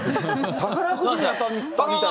宝くじに当たったみたいな。